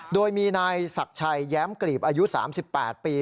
โดยมีนายศักดิ์ชัยแย้มกลีบอายุ๓๘ปี